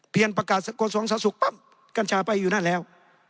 เพียงประกาศกฎสองสะสุกปั๊บกัญชาไปอยู่นั่นแล้ว